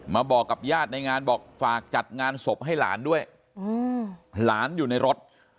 บอกกับญาติในงานบอกฝากจัดงานศพให้หลานด้วยหลานอยู่ในรถ